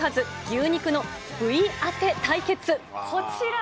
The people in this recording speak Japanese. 牛肉の部位当て対決。